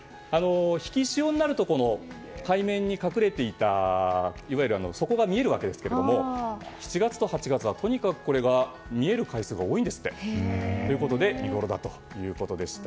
引き潮になると海面に隠れていたいわゆる底が見えるわけですが７月と８月はとにかくこれが見える回数が多いそうでということで見ごろだということでした。